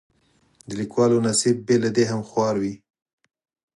د لیکوالو نصیب بې له دې هم خوار وي.